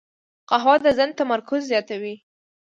قهوه د ذهن تمرکز زیاتوي